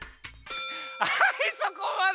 はいそこまで！